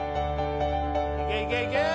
いけいけいけ！